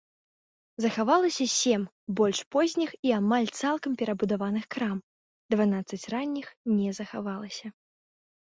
Захавалася сем больш позніх і амаль цалкам перабудаваных крам, дванаццаць ранніх не захавалася.